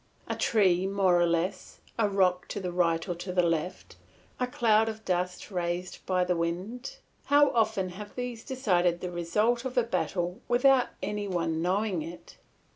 A tree more or less, a rock to the right or to the left, a cloud of dust raised by the wind, how often have these decided the result of a battle without any one knowing it?